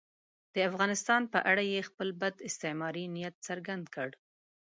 د افغانستان په اړه یې خپل بد استعماري نیت څرګند کړ.